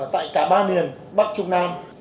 tại cả ba miền bắc trung nam